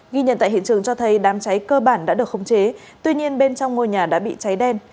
ghi nhận tại hiện trường cho thấy đám cháy cơ bản đã được khống chế tuy nhiên bên trong ngôi nhà đã bị cháy đen